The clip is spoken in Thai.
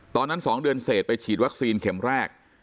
๒เดือนเสร็จไปฉีดวัคซีนเข็มแรก